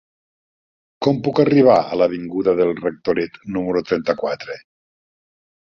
Com puc arribar a l'avinguda del Rectoret número trenta-quatre?